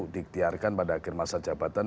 diktiarkan pada akhir masa jabatan